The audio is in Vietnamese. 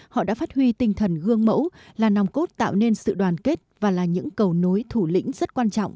họ đã phát huy tinh thần gương mẫu là nòng cốt tạo nên sự đoàn kết và là những cầu nối thủ lĩnh rất quan trọng